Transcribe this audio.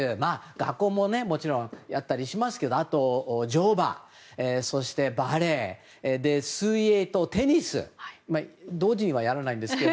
学校も、もちろんあったりしますがあと、乗馬そしてバレエ水泳とテニス同時にはやらないんですが。